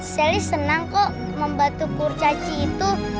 sally senang kok membantu kurcaci itu